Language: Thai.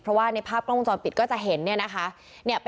เพราะว่าในภาพกล้องกุ้งจรปิดก็จะเห็น